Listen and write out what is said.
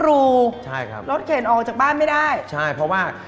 เพราะฉะนั้นถ้าใครอยากทานเปรี้ยวเหมือนโป้แตก